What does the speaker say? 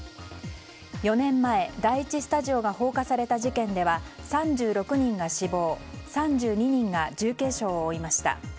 ４年前、第１スタジオが放火された事件では３６人が死亡３２人が重軽傷を負いました。